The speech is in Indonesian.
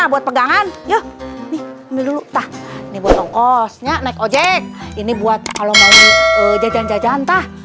buat pegangan yuk nih dulu tak dibuat toko nya naik ojek ini buat kalau mau jajan jajan tah